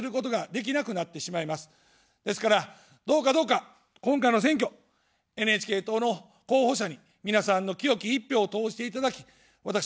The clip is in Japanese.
ですから、どうかどうか、今回の選挙、ＮＨＫ党の候補者に皆さんの清き一票を投じていただき、私どもを助けてください。